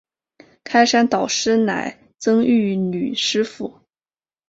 开山导师乃曾玉女师傅。